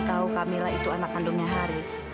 tahu camillah itu anak kandungnya haris